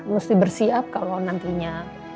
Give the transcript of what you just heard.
mesti bersiap kalo nantinya